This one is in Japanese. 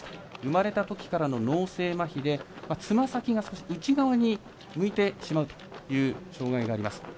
生まれたときからの脳性まひでつま先が内側に向いてしまうという障がいがあります。